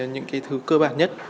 những cái thứ cơ bản nhất